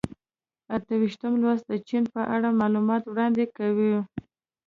اته ویشتم لوست د چین په اړه معلومات وړاندې کوي.